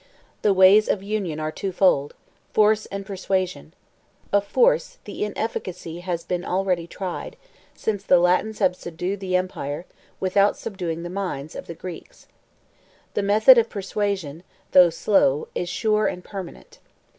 The ways of union are twofold; force and persuasion. Of force, the inefficacy has been already tried; since the Latins have subdued the empire, without subduing the minds, of the Greeks. The method of persuasion, though slow, is sure and permanent.